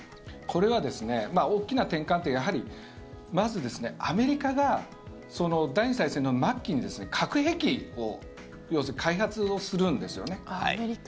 これは大きな転換点はやはり、まずアメリカが第２次世界大戦の末期に核兵器の開発をするんですね。